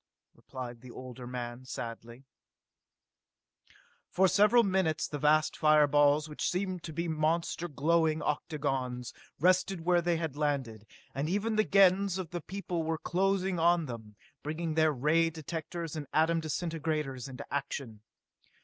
replied the older man sadly. For several minutes the vast fire balls, which seemed to be monster glowing octagons, rested where they had landed, and even then the Gens of the people were closing on them, bringing their ray directors and atom disintegrators into action.